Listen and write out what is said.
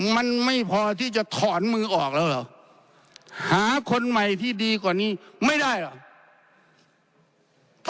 มันไม่พอที่จะถอนมือออกแล้วเหรอหาคนใหม่ที่ดีกว่านี้ไม่ได้เหรอ